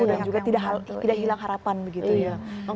dan juga tidak hilang harapan begitu ya